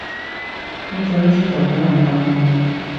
一早起身就好冷凍